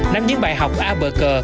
nắm những bài học a bờ cờ